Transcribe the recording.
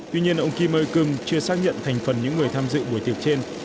tuy nhiên ông kim ơi cơm chưa xác nhận thành phần những người tham dự buổi tiệc trên